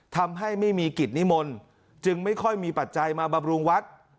ทำให้ไม่มีกิจนิมนต์จึงไม่ค่อยมีปัจจัยมาบำรุงวัด